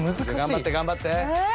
・頑張って頑張って。